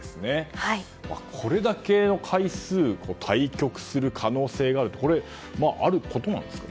これだけの回数対局する可能性があるというのはこれ、あることなんですか？